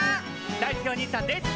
だいすけおにいさんです。